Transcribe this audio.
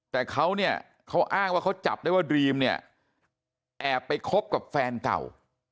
แต่เขาเนี่ยเขาอ้างว่าเขาจับได้ว่าดรีมเนี่ยแอบไปคบกับแฟนเก่า